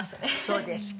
そうですか。